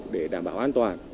để đảm bảo an toàn